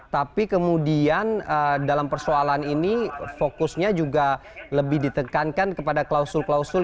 tapi kemudian dalam persoalan ini fokusnya juga lebih ditekankan kepada klausul klausul